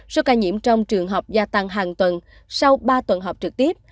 số ca nhiễm trong trường hợp gia tăng hàng tuần sau ba tuần học trực tiếp